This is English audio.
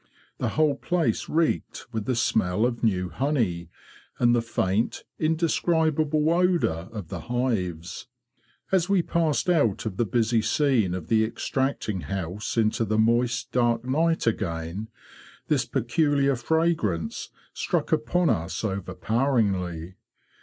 The whole place reeked with the smell of new honey and the faint, indescribable odour of the hives. As we passed out of the busy scene of the extracting house into the moist dark night again, this peculiar fragrance struck upon us overpoweringly.